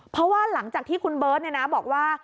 เพราะว่าหลังจากที่คุณเบิร์ตบอกว่า